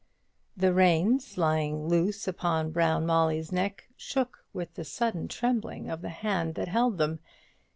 The reins, lying loose upon Brown Molly's neck, shook with the sudden trembling of the hand that held them.